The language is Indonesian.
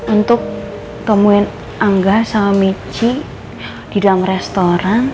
untuk temuin angga sama michi di dalam restoran